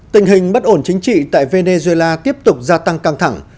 tình hình bất ổn chính trị tại venezuela tiếp tục gia tăng căng thẳng